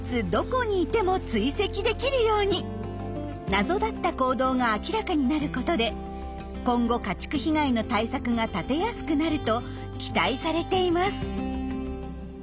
謎だった行動が明らかになることで今後家畜被害の対策が立てやすくなると期待されています。